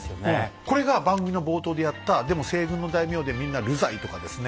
これが番組の冒頭でやったでも西軍の大名でみんな流罪とかですね